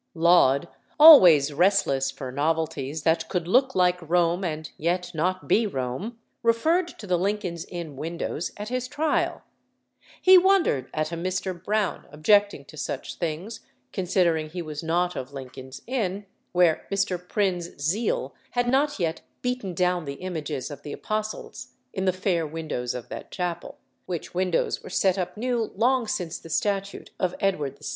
Laud, always restless for novelties that could look like Rome, and yet not be Rome, referred to the Lincoln's Inn windows at his trial. He wondered at a Mr. Brown objecting to such things, considering he was not of Lincoln's Inn, "where Mr. Prynne's zeal had not yet beaten down the images of the apostles in the fair windows of that chapel, which windows were set up new long since the statute of Edward VI.